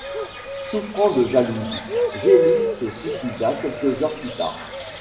Souffrant de jalousie, Geli se suicida quelques heures plus tard.